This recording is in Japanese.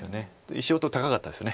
石音高かったです